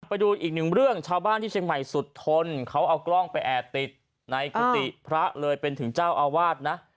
ไปดูอีกหนึ่งเรื่องชาวบ้านที่เชียงใหม่สุดทนเขาเอากล้องไปแอบติดในกุฏิพระเลยเป็นถึงเจ้าอาวาสนะ